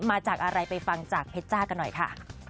มาจากอะไรไปฟังจากเพชรจ้ากันหน่อยค่ะ